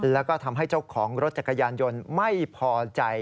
แล้วก็ทำให้เจ้าของรถจักรยานยนต์ไม่พอใจ